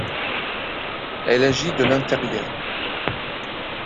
Elle agit de l'intérieur.